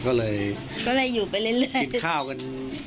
ก็เลยกินข้าวกัน